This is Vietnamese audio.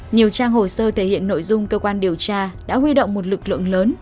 nhiều trang hồ sơ thể hiện nội dung cơ quan điều tra đã huy động một lực lượng lớn